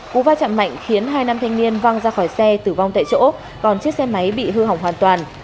cú va chạm mạnh khiến hai nam thanh niên văng ra khỏi xe tử vong tại chỗ còn chiếc xe máy bị hư hỏng hoàn toàn